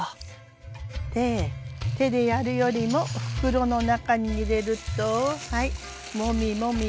で手でやるよりも袋の中に入れるとはいもみもみもみ。